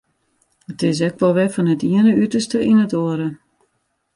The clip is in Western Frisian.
It is ek wol wer fan it iene uterste yn it oare.